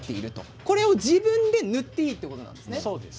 これを自分で塗っていいということですね。